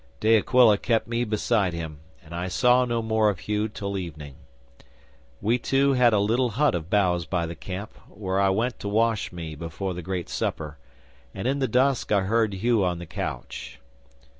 'De Aquila kept me beside him, and I saw no more of Hugh till evening. We two had a little hut of boughs by the camp, where I went to wash me before the great supper, and in the dusk I heard Hugh on the couch.